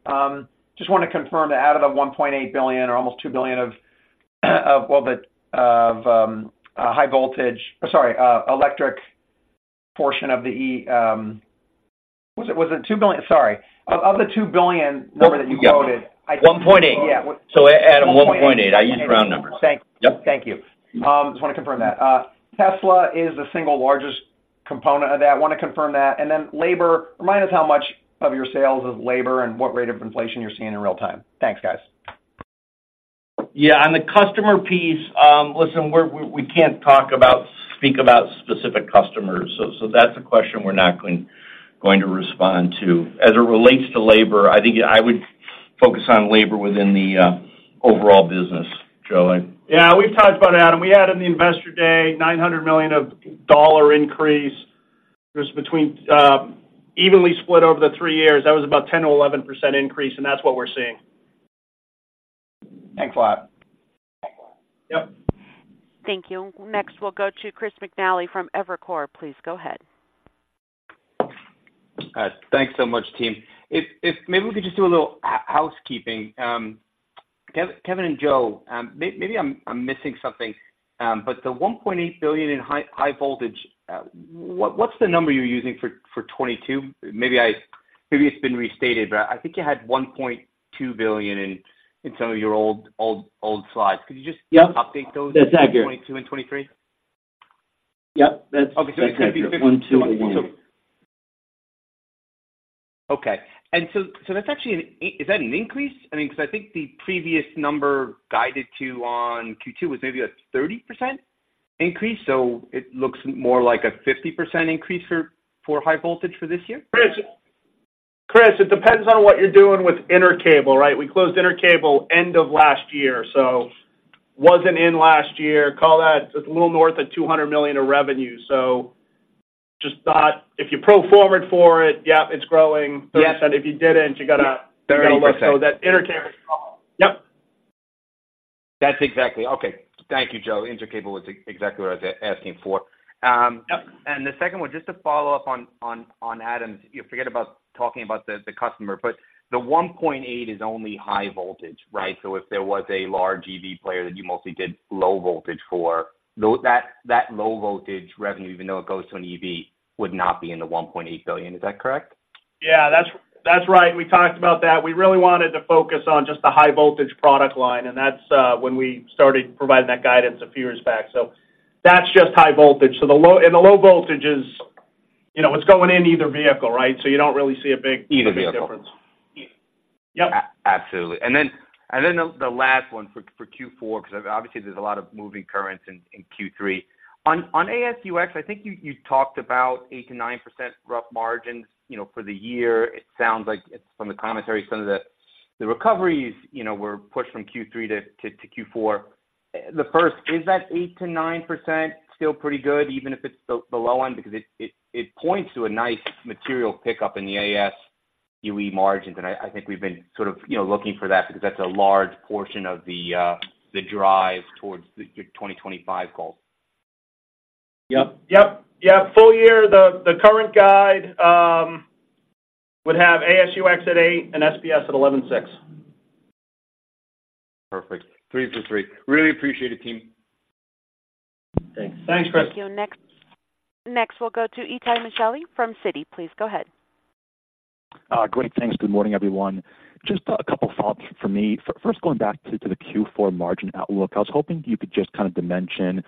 Just wanna confirm that out of the $1.8 billion or almost $2 billion of the high voltage—or sorry, electric portion of the E... Was it $2 billion? Sorry. Of the $2 billion number that you quoted- $1.8 billion. Yeah. Adam, $1.8 billion. I use round numbers. Thank you. Yep. Thank you. Just wanna confirm that. Tesla is the single largest component of that. Wanna confirm that, and then labor, remind us how much of your sales is labor and what rate of inflation you're seeing in real time. Thanks, guys. Yeah, on the customer piece, listen, we can't talk about, speak about specific customers, so that's a question we're not going to respond to. As it relates to labor, I think I would focus on labor within the overall business. Joe, I- Yeah, we've talked about Adam. We had in the Investor Day, $900 million dollar increase. There's between, evenly split over the three years. That was about 10%-11% increase, and that's what we're seeing. Thanks a lot. Yep. Thank you. Next, we'll go to Chris McNally from Evercore. Please, go ahead. Thanks so much, team. If maybe we could just do a little housekeeping. Kevin and Joe, maybe I'm missing something, but the $1.8 billion in high voltage, what's the number you're using for 2022? Maybe it's been restated, but I think you had $1.2 billion in some of your old slides. Could you just update those? That's accurate. 2022 and 2023. Yep, that's. Okay. Okay. So that's actually an increase? I mean, because I think the previous number guided to on Q2 was maybe a 30% increase, so it looks more like a 50% increase for high voltage for this year? Chris, Chris, it depends on what you're doing with Intercable, right? We closed Intercable end of last year, so wasn't in last year. Call that, it's a little north of $200 million of revenue. So just thought if you pro forma for it, yep, it's growing 30%. Yes. If you didn't, you got a- 30%. So that Intercable. Yep. That's exactly... Okay. Thank you, Joe. Intercable was exactly what I was asking for. Yep. And the second one, just to follow up on Adam's. You know, forget about talking about the customer, but the $1.8 billion is only high voltage, right? So if there was a large EV player that you mostly did low voltage for, though that low voltage revenue, even though it goes to an EV, would not be in the $1.8 billion. Is that correct? Yeah, that's, that's right. We talked about that. We really wanted to focus on just the high voltage product line, and that's when we started providing that guidance a few years back. So that's just high voltage. So the low- and low voltage is, you know, it's going in either vehicle, right? So you don't really see a big, big difference. Either vehicle. Yep. Absolutely. And then the last one for Q4, because obviously there's a lot of moving parts in Q3. On AS&UX, I think you talked about 8%-9% adjusted margins, you know, for the year. It sounds like from the commentary, some of the recoveries, you know, were pushed from Q3 to Q4. First, is that 8%-9% still pretty good, even if it's the low end? Because it points to a nice material pickup in the AS&UX margins, and I think we've been sort of, you know, looking for that because that's a large portion of the drive towards the 2025 goal. Yep, yep, yep. Full year, the current guide would have AS&UX at 8 and SPS at 11.6. Perfect. 3 for 3. Really appreciate it, team. Thanks. Thanks, Chris. Thank you. Next, next we'll go to Itay Michaeli from Citi. Please, go ahead. Great, thanks. Good morning, everyone. Just a couple thoughts from me. First, going back to the Q4 margin outlook, I was hoping you could just kind of dimension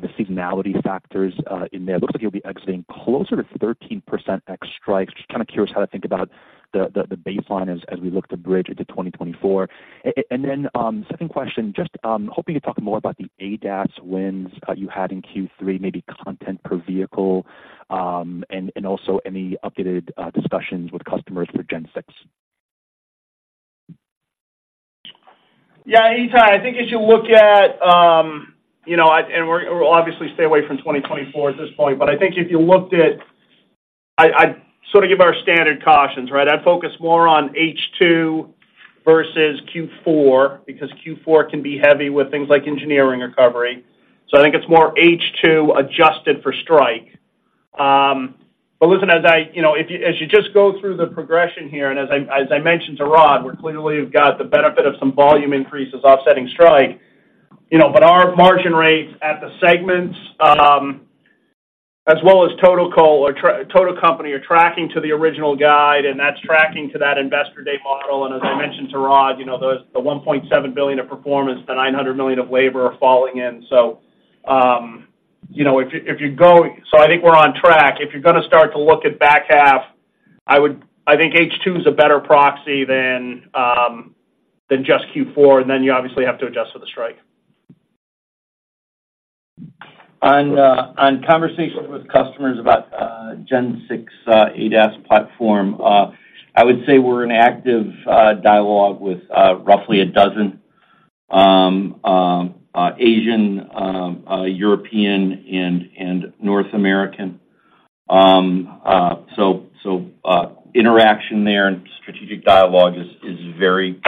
the seasonality factors in there. It looks like you'll be exiting closer to 13% ex strikes. Just kind of curious how to think about the baseline as we look to bridge into 2024. And then, second question, just hoping you'd talk more about the ADAS wins you had in Q3, maybe content per vehicle, and also any updated discussions with customers for Gen 6. Yeah, Itay, I think as you look at, you know, and we're obviously staying away from 2024 at this point, but I think if you looked at I sort of give our standard cautions, right? I'd focus more on H2 versus Q4, because Q4 can be heavy with things like engineering recovery. So I think it's more H2 adjusted for strike. But listen, as I, you know, if you as you just go through the progression here, and as I as I mentioned to Rod, we're clearly have got the benefit of some volume increases offsetting strike, you know. But our margin rates at the segments, as well as total corporate total company, are tracking to the original guide, and that's tracking to that Investor Day model. And as I mentioned to Rod, you know, the $1.7 billion of performance, the $900 million of labor are falling in. So, you know, if you go— So I think we're on track. If you're gonna start to look at back half, I would— I think H2 is a better proxy than just Q4, and then you obviously have to adjust for the strike. In conversation with customers about Gen 6 ADAS platform, I would say we're in active dialogue with roughly a dozen Asian, European, and North American. So interaction there and strategic dialogue is very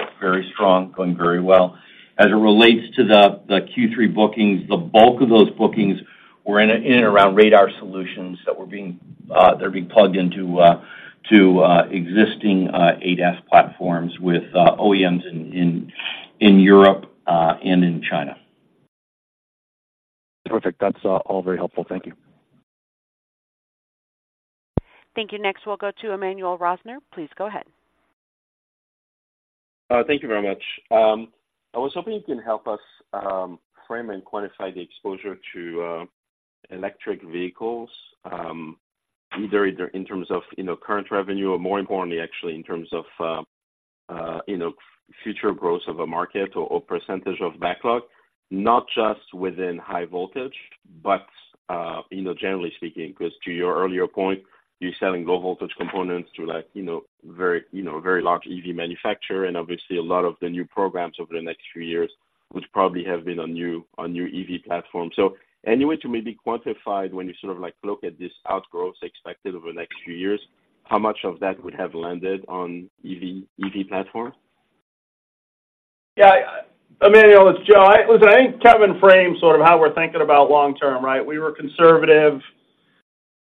strong, going very well. As it relates to the Q3 bookings, the bulk of those bookings were in and around radar solutions that are being plugged into existing ADAS platforms with OEMs in Europe and in China. Perfect. That's all very helpful. Thank you. Thank you. Next, we'll go to Emmanuel Rosner. Please go ahead. Thank you very much. I was hoping you can help us frame and quantify the exposure to electric vehicles, either in terms of, you know, current revenue or, more importantly, actually, in terms of, you know, future growth of a market or percentage of backlog, not just within high voltage, but, you know, generally speaking. Because to your earlier point, you're selling low-voltage components to, like, you know, very, you know, very large EV manufacturer, and obviously, a lot of the new programs over the next few years, which probably have been on new EV platforms. So any way to maybe quantify when you sort of, like, look at this outgrowth expected over the next few years, how much of that would have landed on EV platform? Yeah, Emmanuel, it's Joe. Listen, I think Kevin framed sort of how we're thinking about long term, right? We were conservative.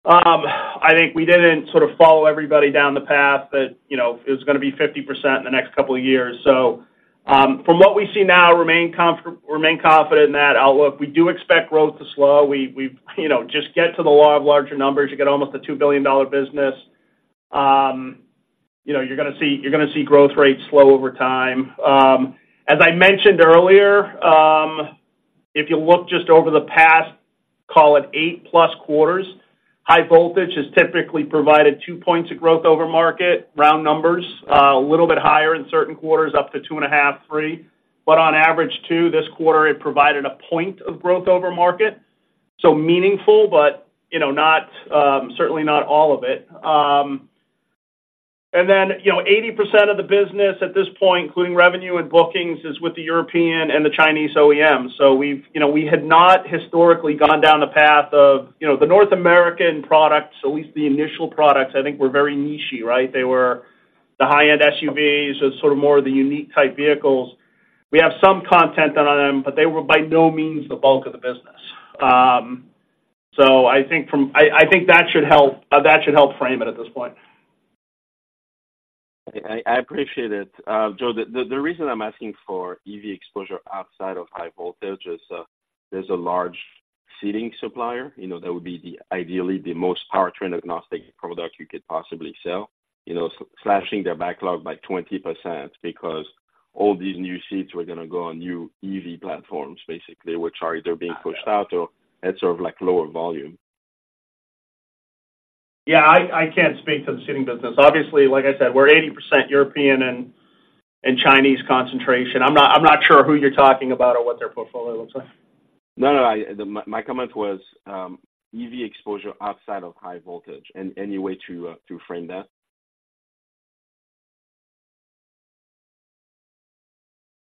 I think we didn't sort of follow everybody down the path that, you know, it was gonna be 50% in the next couple of years. So, from what we see now, remain confident in that outlook. We do expect growth to slow. You know, just get to the law of larger numbers. You get almost a $2 billion business, you know, you're gonna see, you're gonna see growth rates slow over time. As I mentioned earlier, if you look just over the past, call it 8+ quarters, high voltage has typically provided 2 points of growth over market, round numbers, a little bit higher in certain quarters, up to 2.5, 3. But on average, 2 this quarter, it provided a point of growth over market. So meaningful, but, you know, not, certainly not all of it. And then, you know, 80% of the business at this point, including revenue and bookings, is with the European and the Chinese OEMs. So we've, you know, we had not historically gone down the path of... You know, the North American products, at least the initial products, I think, were very nichey, right? They were the high-end SUVs or sort of more of the unique type vehicles. We have some content on them, but they were by no means the bulk of the business. So I think from, I, I think that should help, that should help frame it at this point. I appreciate it. Joe, the reason I'm asking for EV exposure outside of high voltage is, there's a large seating supplier, you know, that would be the ideal, the most powertrain-agnostic product you could possibly sell. You know, slashing their backlog by 20% because all these new seats were gonna go on new EV platforms, basically, which are either being pushed out or at sort of, like, lower volume. Yeah, I can't speak to the seating business. Obviously, like I said, we're 80% European and Chinese concentration. I'm not sure who you're talking about or what their portfolio looks like. No, no. My, my comment was, EV exposure outside of high voltage. Any, any way to, to frame that?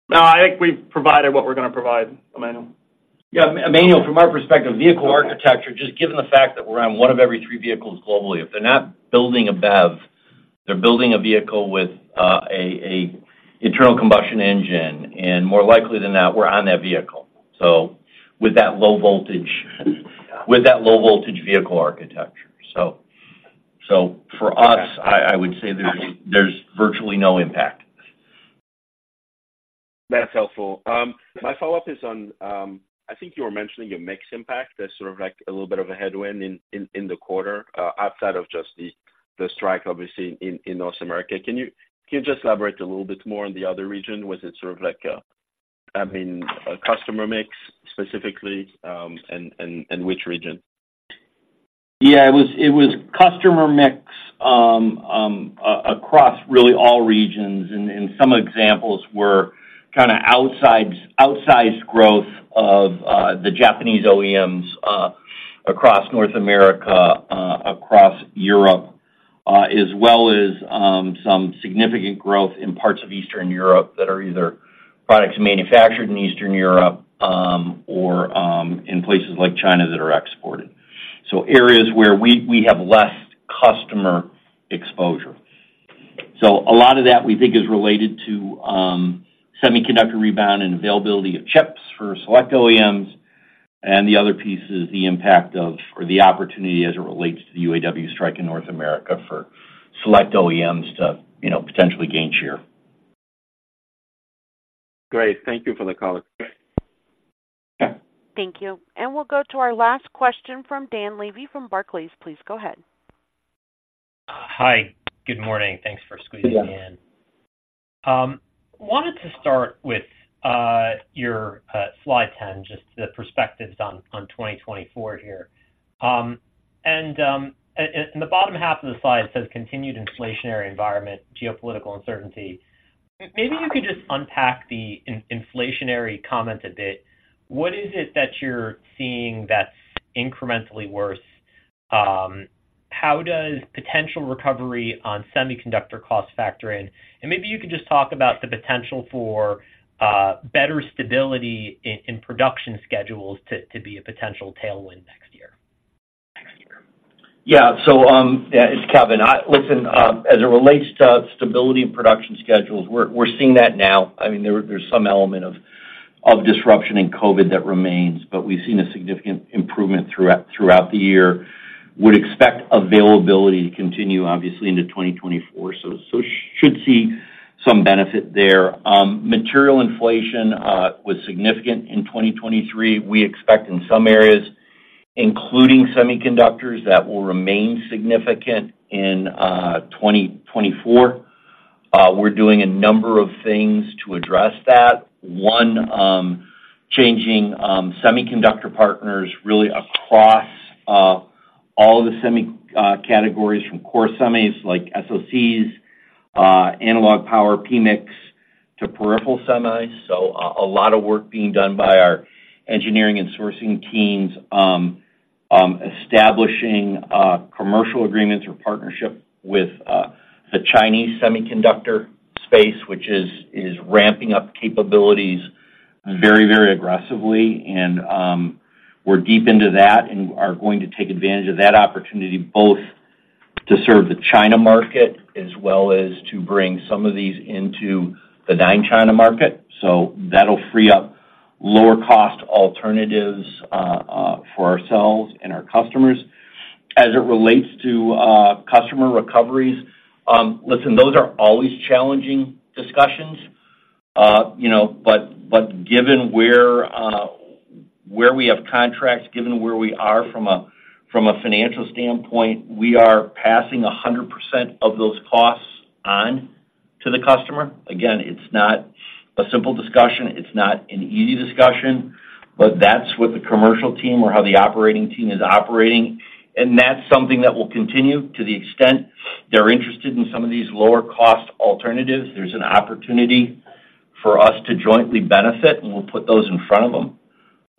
No, I think we've provided what we're gonna provide, Emmanuel. Yeah, Emmanuel, from our perspective, vehicle architecture, just given the fact that we're on one of every three vehicles globally, if they're not building a BEV, they're building a vehicle with a internal combustion engine, and more likely than not, we're on that vehicle. So with that low voltage, with that low voltage vehicle architecture. So, so for us, I, I would say there's, there's virtually no impact. That's helpful. My follow-up is on, I think you were mentioning a mix impact as sort of like a little bit of a headwind in the quarter, outside of just the strike, obviously, in North America. Can you just elaborate a little bit more on the other region? Was it sort of like a, I mean, a customer mix specifically, and which region? Yeah, it was customer mix across really all regions, and some examples were kind of outsized growth of the Japanese OEMs across North America across Europe as well as, some significant growth in parts of Eastern Europe that are either products manufactured in Eastern Europe, or, in places like China that are exported. So areas where we, we have less customer exposure. So a lot of that we think is related to, semiconductor rebound and availability of chips for select OEMs, and the other piece is the impact of, or the opportunity as it relates to the UAW strike in North America for select OEMs to, you know, potentially gain share. Great. Thank you for the call. Thank you. We'll go to our last question from Dan Levy from Barclays. Please go ahead. Hi, good morning. Thanks for squeezing me in. Yeah. Wanted to start with your slide 10, just the perspectives on 2024 here. And the bottom half of the slide says, "Continued inflationary environment, geopolitical uncertainty." Maybe you could just unpack the inflationary comment a bit. What is it that you're seeing that's incrementally worse? How does potential recovery on semiconductor cost factor in? And maybe you could just talk about the potential for better stability in production schedules to be a potential tailwind next year, next year. Yeah. So, yeah, it's Kevin. Listen, as it relates to stability and production schedules, we're seeing that now. I mean, there's some element of disruption in COVID that remains, but we've seen a significant improvement throughout the year. Would expect availability to continue, obviously, into 2024, so should see some benefit there. Material inflation was significant in 2023. We expect in some areas, including semiconductors, that will remain significant in 2024. We're doing a number of things to address that. One, changing semiconductor partners really across all the semi categories from core semis, like SoCs, analog power, PMICs, to peripheral semis. So a lot of work being done by our engineering and sourcing teams. Establishing commercial agreements or partnership with the Chinese semiconductor space, which is ramping up capabilities very, very aggressively. And we're deep into that and are going to take advantage of that opportunity, both to serve the China market as well as to bring some of these into the non-China market. So that'll free up lower-cost alternatives for ourselves and our customers. As it relates to customer recoveries, listen, those are always challenging discussions. You know, but given where we have contracts, given where we are from a financial standpoint, we are passing 100% of those costs on to the customer. Again, it's not a simple discussion, it's not an easy discussion, but that's what the commercial team or how the operating team is operating, and that's something that will continue. To the extent they're interested in some of these lower-cost alternatives, there's an opportunity for us to jointly benefit, and we'll put those in front of them.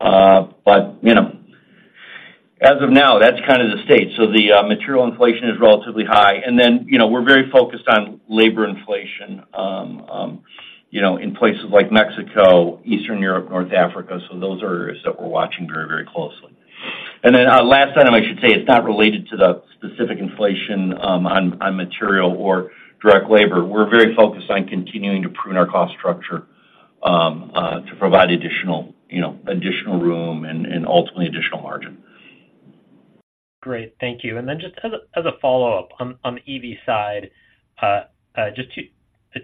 But, you know, as of now, that's kind of the state. So the material inflation is relatively high, and then, you know, we're very focused on labor inflation, you know, in places like Mexico, Eastern Europe, North Africa. So those are areas that we're watching very, very closely. And then our last item, I should say, it's not related to the specific inflation on material or direct labor. We're very focused on continuing to prune our cost structure to provide additional, you know, additional room and ultimately additional margin. Great. Thank you. And then just as a follow-up, on the EV side, just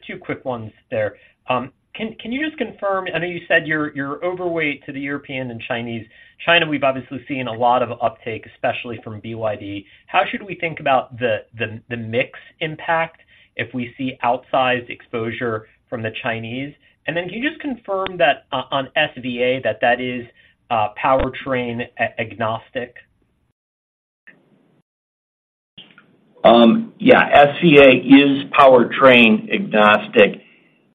two quick ones there. Can you just confirm? I know you said you're overweight to the European and Chinese. China, we've obviously seen a lot of uptake, especially from BYD. How should we think about the mix impact if we see outsized exposure from the Chinese? And then can you just confirm that on SVA, that that is powertrain agnostic? SVA is powertrain agnostic.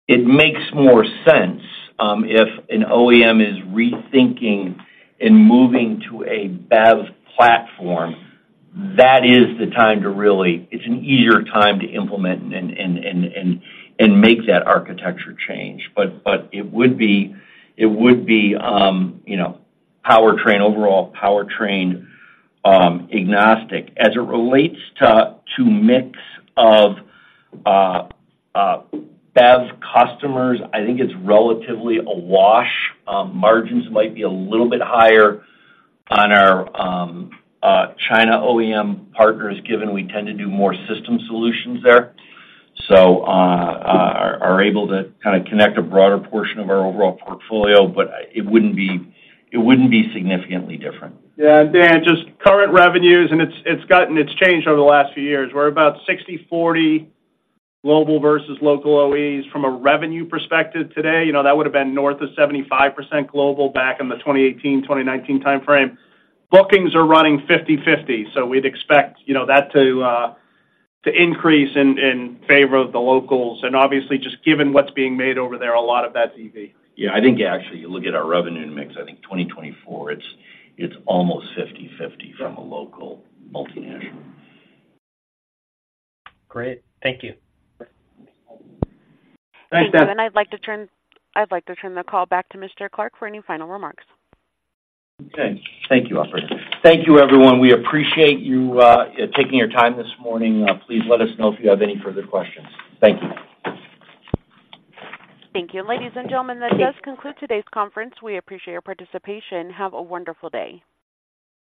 It makes more sense if an OEM is rethinking and moving to a BEV platform, that is the time to really, it's an easier time to implement and make that architecture change. It would be, it would be, you know, powertrain, overall powertrain, agnostic. As it relates to mix of BEV customers, I think it's relatively a wash. Margins might be a little bit higher on our China OEM partners, given we tend to do more system solutions there. So, are able to kind of connect a broader portion of our overall portfolio, but it wouldn't be significantly different. Yeah, Dan, just current revenues, and it's gotten, it's changed over the last few years. We're about 60/40 global versus local OEs from a revenue perspective today. You know, that would've been north of 75% global back in the 2018, 2019 timeframe. Bookings are running 50/50, so we'd expect, you know, that to increase in favor of the locals, and obviously, just given what's being made over there, a lot of that's EV. Yeah, I think actually, you look at our revenue mix, I think 2024, it's, it's almost 50/50 from a local multinational. Great. Thank you. Thanks, Dan. Thank you. I'd like to turn the call back to Mr. Clark for any final remarks. Okay. Thank you, operator. Thank you, everyone. We appreciate you taking your time this morning. Please let us know if you have any further questions. Thank you. Thank you. Ladies and gentlemen, that does conclude today's conference. We appreciate your participation. Have a wonderful day.